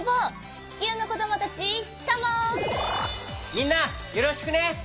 みんなよろしくね。